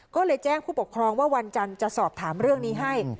ก็เลยแจ้งผู้ปกครองว่าวันจันทร์จะสอบถามเรื่องนี้ให้